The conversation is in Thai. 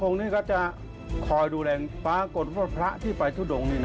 เรื่องหยานีมีลูกศิษย์ใครจะไปทุษโดงแต่ก่อน